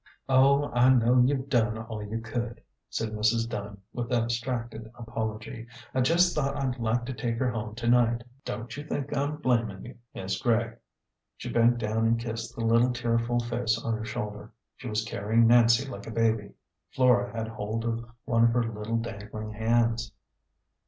" Oh, I know you've done all you could," said Mrs. Dunn, with abstracted apology. " I jest thought I'd like to take her home to night. Don't you think I'm blamin' you, Mis' Gregg." She bent down and kissed the little tearful face on her shoulder : she was carrying Nancy like a baby. Flora had hold of one of her little dangling hands.